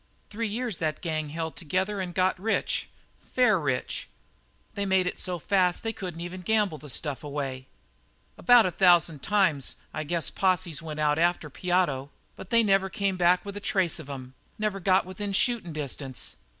"Three years that gang held together and got rich fair rich. They made it so fast they couldn't even gamble the stuff away. About a thousand times, I guess posses went out after Piotto, but they never came back with a trace of 'em; they never got within shootin' distance.